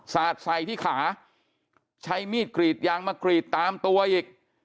สาดใส่ที่ขาใช้มีดกรีดยางมากรีดตามตัวอีก